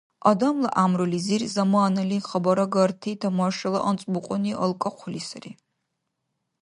Адамла гӀямрулизир заманали хабарагарти, тамашала анцӀбукьуни алкӀахъули сари.